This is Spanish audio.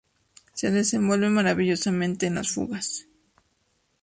Se desenvuelve maravillosamente en las fugas.